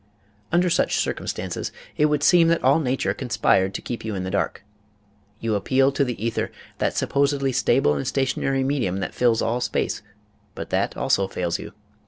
Under such circumstances it would seem that all Nature conspired to keep you in the dark. You appeal to the ether, that supposedly stable and stationary medium that fills all space, but that also fails you.